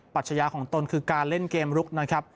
ปัจจัยาของตนคือการเล่นเกมรุกนะครับ